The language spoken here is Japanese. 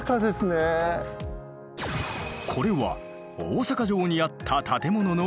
これは大坂城にあった建物の一部。